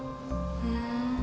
ふん。